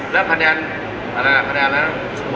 แล้วคะแนนอะไรล่ะคะแนนแล้ว